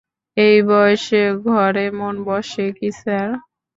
এই বয়সে ঘরে মন বসে কি স্যার?